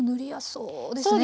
そうですね。